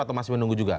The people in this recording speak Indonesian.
atau masih menunggu juga